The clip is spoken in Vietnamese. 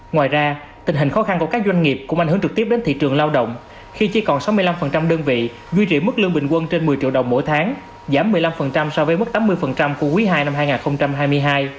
ngoài ra tình hình khó khăn của các doanh nghiệp cũng ảnh hưởng trực tiếp đến thị trường lao động khi chỉ còn sáu mươi năm đơn vị duy trì mức lương bình quân trên một mươi triệu đồng mỗi tháng giảm một mươi năm so với mức tám mươi của quý ii năm hai nghìn hai mươi hai